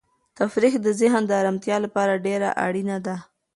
تفریح د ذهن د ارامتیا لپاره ډېره اړینه ده.